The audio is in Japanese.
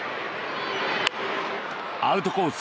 アウトコース